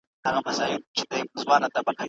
ښه خلک کولای شي چي د نورو ژوند بدل کړي.